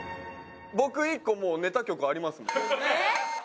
僕１個もうネタ曲ありますもん。